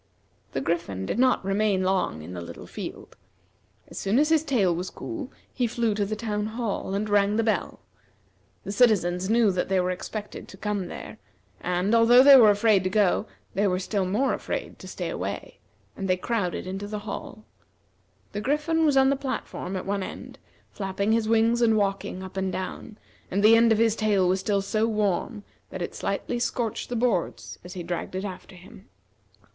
The Griffin did not remain long in the little field. As soon as his tail was cool he flew to the town hall and rang the bell. The citizens knew that they were expected to come there, and although they were afraid to go, they were still more afraid to stay away; and they crowded into the hall. The Griffin was on the platform at one end, flapping his wings and walking up and down, and the end of his tail was still so warm that it slightly scorched the boards as he dragged it after him.